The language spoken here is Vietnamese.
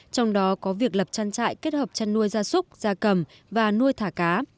trong đó có việc lập chăn trại kết hợp chăn nuôi ra súc ra cầm và nuôi thả cá